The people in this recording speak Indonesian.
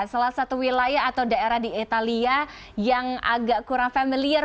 salah satu wilayah atau daerah di italia yang agak kurang familiar